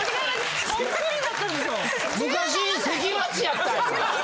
昔関町やったんや！